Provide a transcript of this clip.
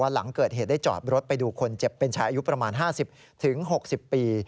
หลังเกิดเหตุได้จอดรถไปดูคนเจ็บเป็นชายอายุประมาณ๕๐๖๐ปี